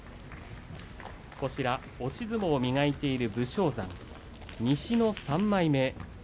押し相撲を磨いている武将山西の３枚目。